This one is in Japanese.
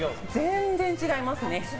全然違いますね。